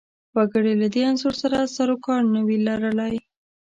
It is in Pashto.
وګړي له دې عنصر سر و کار نه وي لرلای